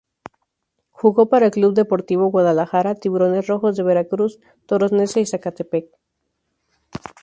Jugó para el Club Deportivo Guadalajara, Tiburones Rojos de Veracruz, Toros Neza y Zacatepec.